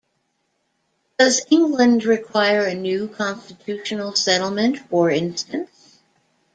Does England require a new constitutional settlement for instance?